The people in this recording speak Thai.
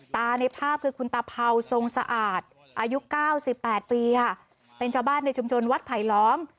ในภาพคือคุณตาเผาทรงสะอาดอายุ๙๘ปีค่ะเป็นชาวบ้านในชุมชนวัดไผลล้อม